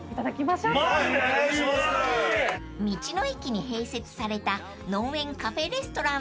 ［道の駅に併設された］